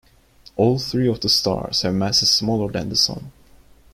All three of the stars have masses smaller than the Sun.